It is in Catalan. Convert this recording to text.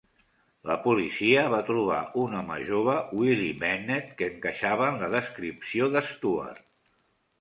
La policia va trobar un home jove, Willie Bennett, que encaixava en la descripció de Stuart.